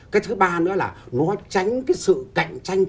cái thứ ba nữa là nó tránh cái sự cạnh tranh